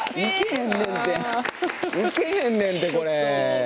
ウケへんねんて、これ。